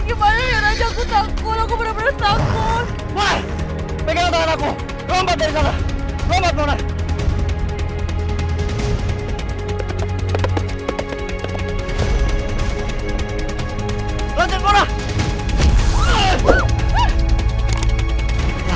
ya allah raja gimana ya raja aku takut aku benar benar takut